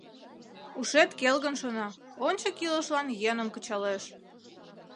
Ушет келгын шона, ончык илышлан йӧным кычалеш.